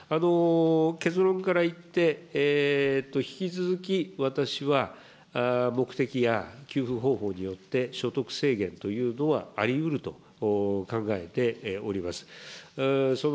結論から言って、引き続き、私は、目的や給付方法によって、所得制限というのはありうると考えております。